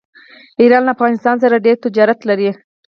ایران له افغانستان سره ډیر تجارت لري.